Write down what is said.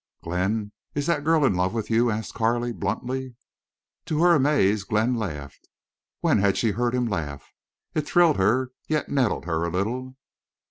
"Glenn, is that girl in love with you?" asked Carley, bluntly. To her amaze, Glenn laughed. When had she heard him laugh? It thrilled her, yet nettled her a little.